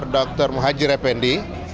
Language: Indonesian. dr mhaji rependi